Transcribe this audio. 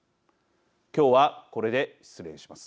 今日は、これで失礼します。